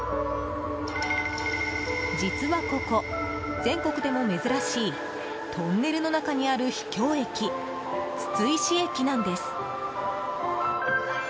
実はここ、全国でも珍しいトンネルの中にある秘境駅筒石駅なんです。